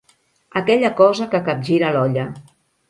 Aquella cosa que capgira l'olla.